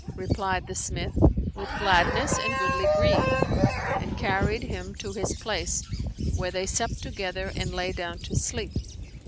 Replied the smith, "With gladness and goodly gree!" and carried him to his place, where they supped together and lay down to sleep.